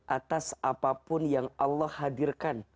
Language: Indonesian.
atas apapun yang allah hadirkan